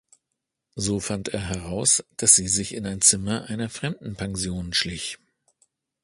So fand er heraus, dass sie sich in ein Zimmer einer Fremdenpension schlich.